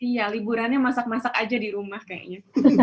iya liburannya masak masak aja di rumah kayaknya